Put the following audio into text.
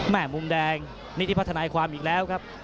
แม่มุมแดงนี่ที่พัฒนาความอีกแล้วครับ